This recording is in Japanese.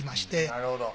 なるほど。